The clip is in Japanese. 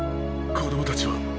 子供たちは？